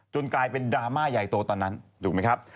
กลายเป็นดราม่าใหญ่โตตอนนั้นถูกไหมครับ